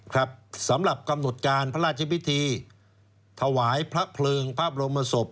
ครับสำหรับกำหนดการพระราชพิธีถวายพระเพลิงพระบรมศพ